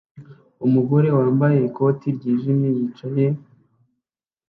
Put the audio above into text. umugore wambaye ikoti ryijimye yicaye